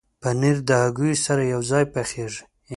پنېر د هګیو سره یوځای پخېږي.